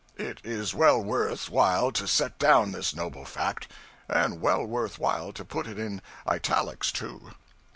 _ It is well worth while to set down this noble fact, and well worth while to put it in italics, too.